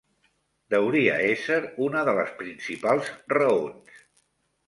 Deuria ésser una de les principals raons.